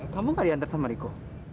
kamu gak ada yang antar sama riko